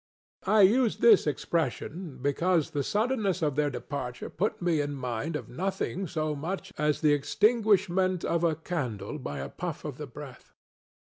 I use this expression, because the suddenness of their departure put me in mind of nothing so much as the extinguishment of a candle by a puff of the breath.